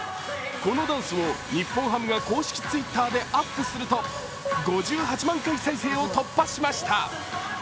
このダンスを日本ハムが公式Ｔｗｉｔｔｅｒでアップすると、５８万回再生を突破しました。